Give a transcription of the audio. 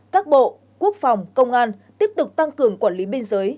các bộ quốc phòng công an tiếp tục tăng cường quản lý biên giới